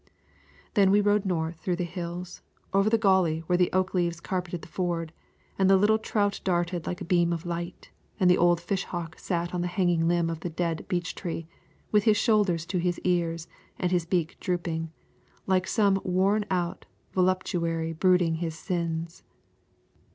Then we rode north through the Hills, over the Gauley where the oak leaves carpeted the ford, and the little trout darted like a beam of light, and the old fish hawk sat on the hanging limb of the dead beech tree with his shoulders to his ears and his beak drooping, like some worn out voluptuary brooding on his sins.